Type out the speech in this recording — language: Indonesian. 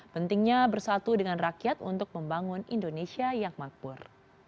pentingnya bersatu dengan rakyat untuk membangun indonesia yang makmur